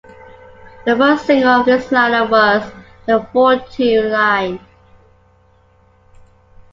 The first single of this lineup was "The Fortune Line".